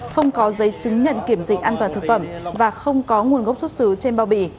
không có giấy chứng nhận kiểm dịch an toàn thực phẩm và không có nguồn gốc xuất xứ trên bao bì